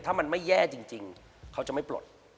ถ้ามันไม่แย่จริงเขาจะไม่ปลด